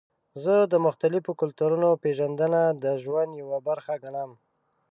زه د مختلفو کلتورونو پیژندنه د ژوند یوه برخه ګڼم.